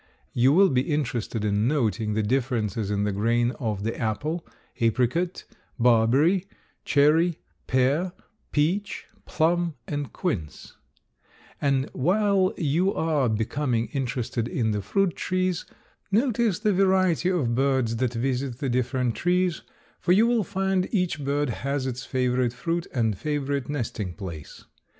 You will be interested in noting the differences in the grain of the apple, apricot, barberry, cherry, pear, peach, plum, and quince; and while you are becoming interested in the fruit trees, notice the variety of birds that visit the different trees, for you will find each bird has its favorite fruit and favorite nesting place.